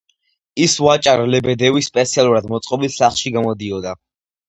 ის ვაჭარ ლებედევის სპეციალურად მოწყობილ სახლში გამოდიოდა.